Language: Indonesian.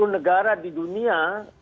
negara di dunia